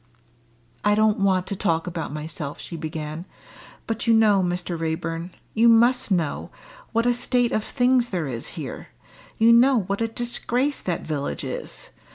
"I don't want to talk about myself," she began. "But you know, Mr. Raeburn you must know what a state of things there is here you know what a disgrace that village is.